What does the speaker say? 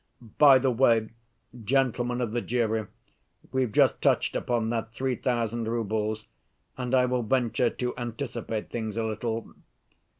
"By the way, gentlemen of the jury, we've just touched upon that three thousand roubles, and I will venture to anticipate things a little.